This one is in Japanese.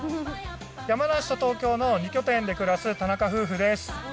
山梨と東京の２拠点で暮らす田中夫婦です。